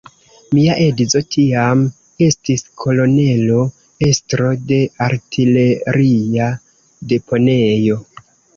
Mia edzo tiam estis kolonelo, estro de artileria deponejo.